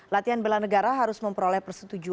latihan bela negara harus memperoleh persetujuan